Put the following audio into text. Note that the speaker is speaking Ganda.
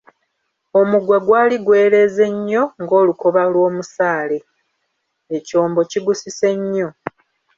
Omugwa gwali gwereeze nnyo ng'olukoba lw'omusaale, ekyombo kigusise nnyo.